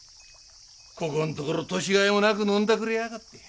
ここんところ年甲斐もなく飲んだくれやがって。